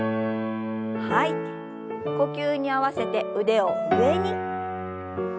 呼吸に合わせて腕を上に。